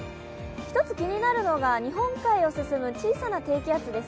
１つ気になるのが日本海を進む小さな低気圧です。